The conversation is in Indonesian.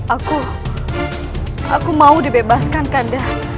aku aku mau dibebaskan kan